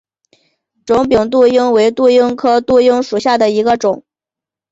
肿柄杜英为杜英科杜英属下的一个种。